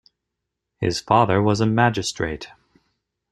His father was a magistrate.